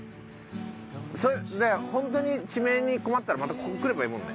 だからホントに地名に困ったらまたここ来ればいいもんね。